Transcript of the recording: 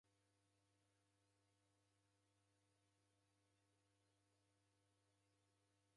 Hae haenyi w'akundwa, mlungu wamanya kwaki wamudwa